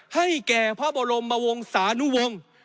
ให้แก่พระบรมวงศานุวงศ์